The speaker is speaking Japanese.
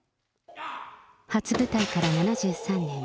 初舞台から７３年。